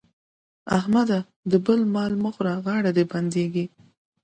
احمده! د بل مال مه خوره غاړه دې بندېږي.